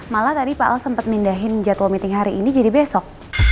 malah tadi pak al sempat mindahin jadwal meeting hari ini jadi besok